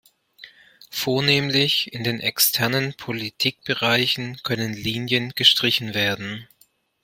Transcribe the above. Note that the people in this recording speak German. Vornehmlich in den externen Politikbereichen können Linien gestrichen werden.